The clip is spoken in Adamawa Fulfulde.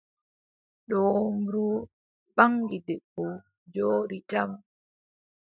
Doombru ɓaŋgi debbo, jooɗi jam.